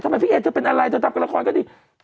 ทำไมพี่เอดจะเป็นอะไรจะทำการละครก็ดี